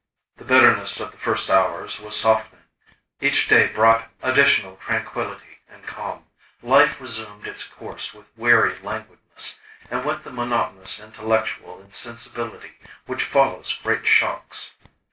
The bitterness of the first hours was softening; each day brought additional tranquillity and calm; life resumed its course with weary languidness, and with the monotonous intellectual insensibility which follows great shocks.